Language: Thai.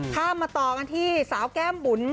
มาต่อกันที่สาวแก้มบุ๋น